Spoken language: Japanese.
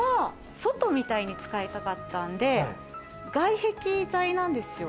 外みたいに使いたかったので外壁材なんですよ。